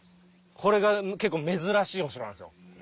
これが結構珍しいお城なんですよ。